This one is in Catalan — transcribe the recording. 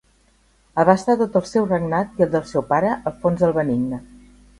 Abasta tot el seu regnat i el del seu pare, Alfons el Benigne.